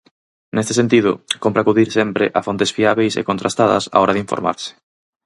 Neste sentido, cómpre acudir sempre a fontes fiábeis e contrastadas á hora de informarse.